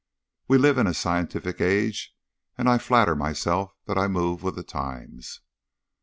We live in a scientific age, and I flatter myself that I move with the times.